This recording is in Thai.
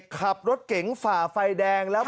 ขับรถเก๋งฝ่าไฟแดง